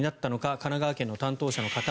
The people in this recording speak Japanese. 神奈川県の担当者の方。